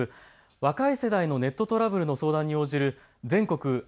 若い世代のネットトラブルの相談に応じる全国